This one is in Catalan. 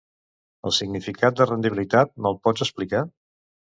El significat de rendibilitat me'l pots explicar?